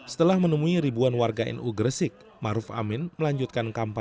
setelah menemui ribuan warga nu gresik maruf amin melanjutkan kampanye